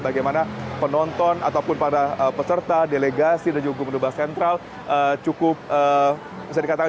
bagaimana penonton ataupun para peserta delegasi dan juga gubernur bank sentral cukup bisa dikatakan